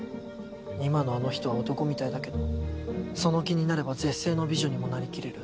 今のあの人は男みたいだけどその気になれば絶世の美女にもなりきれる。